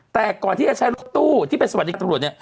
แต่ก่อนที่จะใช้รถตู้ที่เป็นสวัสดีตำรวจเนี่ย